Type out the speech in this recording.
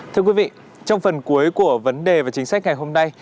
thưa quý vị trong phần cuối của vấn đề và chính sách ngày hôm nay